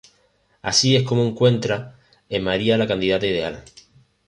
Así es como encuentra en María la candidata ideal.